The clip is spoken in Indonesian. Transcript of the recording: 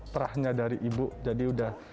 terahnya dari ibu jadi udah